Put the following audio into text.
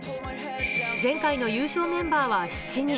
前回の優勝メンバーは７人。